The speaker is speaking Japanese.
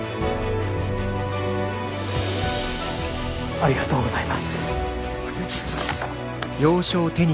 ありがとうございます。